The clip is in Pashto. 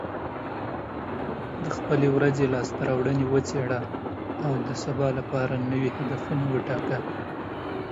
د خپلې ورځې لاسته راوړنې وڅېړه، او د سبا لپاره نوي هدفونه وټاکه.